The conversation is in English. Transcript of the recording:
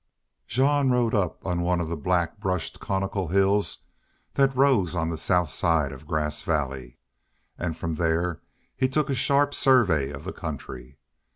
Jean rode up on one of the black brushed conical hills that rose on the south side of Grass Valley, and from there he took a sharp survey of the country.